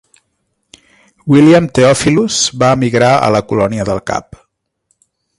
William Theophilus, va emigrar a la Colònia del Cap.